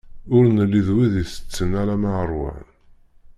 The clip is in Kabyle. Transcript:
Ur nelli d wid itetten alamma ṛwan.